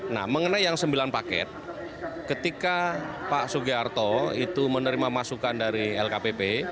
nah mengenai yang sembilan paket ketika pak sugiharto itu menerima masukan dari lkpp